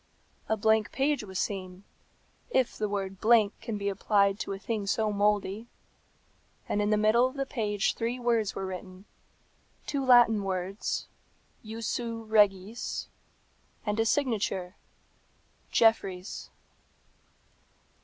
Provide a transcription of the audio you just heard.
A blank page was seen, if the word blank can be applied to a thing so mouldy, and in the middle of the page three words were written, two Latin words, Jussu regis, and a signature, Jeffreys.